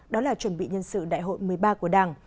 đó là chuẩn bị nhân sự đại hội một mươi ba của đảng